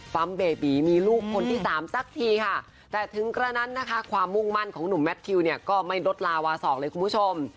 เพราะฉะนั้นนะคะความมุ่งมั่นของหนุ่มแมททิวเนี่ยก็ไม่รดลาวาศอกเลยคุณผู้ชม